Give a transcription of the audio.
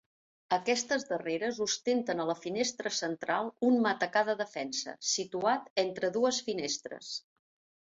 Aquestes darreres ostenten a la finestra central un matacà de defensa, situat entre dues finestres.